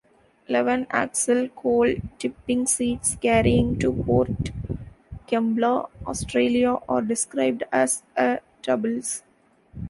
Eleven-axle coal tipping sets carrying to Port Kembla, Australia are described as A-doubles.